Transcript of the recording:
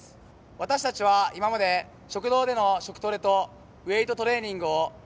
私たちは今まで、食堂での食トレとウエイトトレーニングをはい！